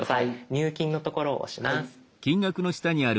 「入金」のところを押します。